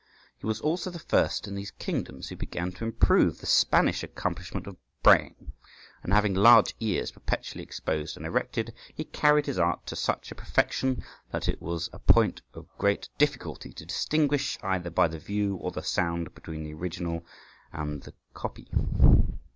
He was also the first in these kingdoms who began to improve the Spanish accomplishment of braying; and having large ears perpetually exposed and erected, he carried his art to such a perfection, that it was a point of great difficulty to distinguish either by the view or the sound between the original and the copy.